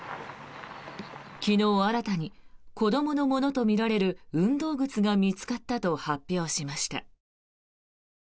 昨日、新たに子どものものとみられる運動靴が見つかったと発表しました。